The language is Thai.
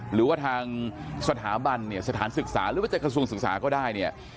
หรือว่าทางสถาบันเนี่ยสถานศึกษาหรือว่าจะกระทรวงศึกษาก็ได้เนี่ย